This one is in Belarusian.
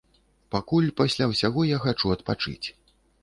Пакуль пасля ўсяго я хачу адпачыць.